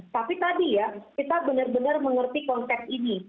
tapi tadi ya kita benar benar mengerti konteks ini